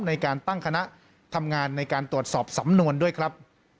ในการตั้งคณะทำงานในการตรวจสอบสำนวนด้วยครับ